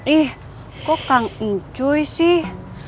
ih kok kang encuy sih